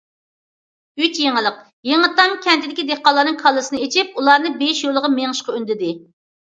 « ئۈچ يېڭىلىق» يېڭىتام كەنتىدىكى دېھقانلارنىڭ كاللىسىنى ئېچىپ، ئۇلارنى بېيىش يولىغا مېڭىشقا ئۈندىدى.